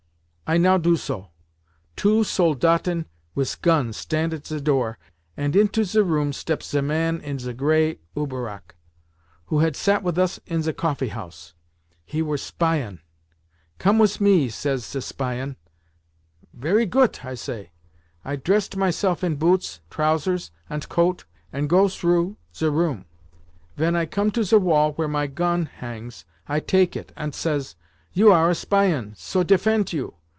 I now do so. Two Soldaten wis gons stant at ze door, ant into ze room steps ze man in ze grey Uberrock, who had sat with us in ze coffeehouse. He were Spion! 'Come wis me,' says ze Spion, 'Very goot!' say I. I dresset myself in boots, trousers, ant coat, ant go srough ze room. Ven I come to ze wall where my gon hangs I take it, ant says, 'You are a Spion, so defent you!